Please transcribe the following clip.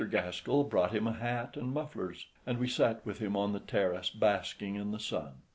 Gaskell brought him a hat and mufflers, and we sat with him on the terrace basking in the sun.